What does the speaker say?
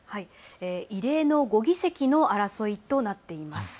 異例の５議席の争いとなっています。